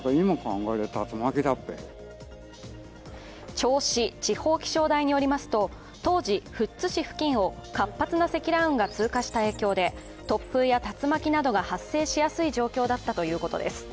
銚子地方気象台によりますと、当時、富津市付近を活発な積乱雲が通過した影響で突風や竜巻などが発生しやすい状況だったということです。